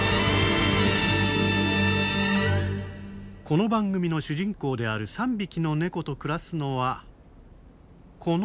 この番組の主人公である３匹のネコと暮らすのはこの男。